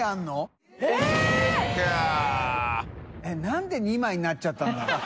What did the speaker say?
┐何で２枚になっちゃったんだろう？